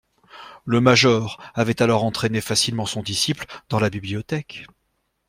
Le major avait alors entraîné facilement son disciple dans la bibliothèque.